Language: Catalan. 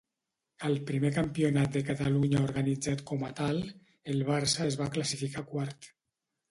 Al primer Campionat de Catalunya organitzat com a tal, el Barça es va classificar quart.